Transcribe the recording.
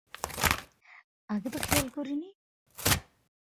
আগে তো খেয়াল করিনি।